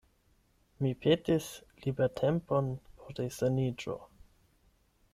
Mi petis libertempon por resaniĝo.